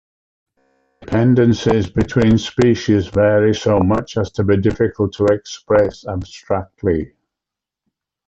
Dependencies between species vary so much as to be difficult to express abstractly.